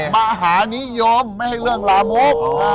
มหานิยมไม่ให้เรื่องลามก